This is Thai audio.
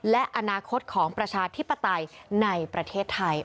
และอนาคตของประชาธิปไตยในประเทศไทย